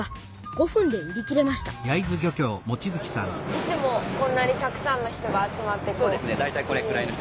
いつもこんなにたくさんの人が集まって。